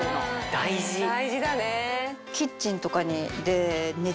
大事だね。